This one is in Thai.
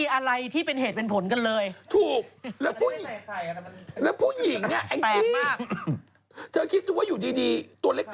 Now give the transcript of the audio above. อายุ๒๑ลูกอายุ๔ควบ